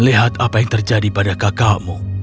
lihat apa yang terjadi pada kakakmu